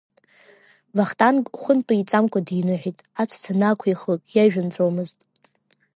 Вахтанг хәынтә еиҵамкәа диныҳәеит, аҵәца анаақәихлак иажәа нҵәомызт.